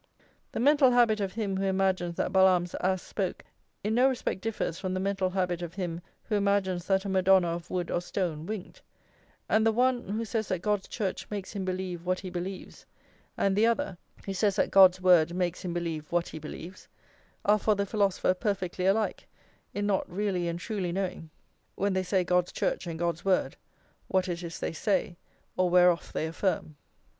The mental habit of him who imagines that Balaam's ass spoke, in no respect differs from the mental habit of him who imagines that a Madonna of wood or stone winked; and the one, who says that God's Church makes him believe what he believes, and the other, who says that God's Word makes him believe what he believes, are for the philosopher perfectly alike in not really and truly knowing, when they say God's Church and God's Word, what it is they say, or whereof they affirm.